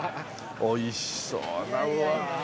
おいしそうなうわ。